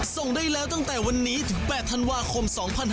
ส่งได้แล้วตั้งแต่วันนี้ถึง๘ธันวาคม๒๕๖๒